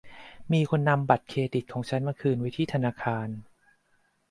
มีคนนำบัตรเครดิตของฉันมาคืนไว้ที่ธนาคาร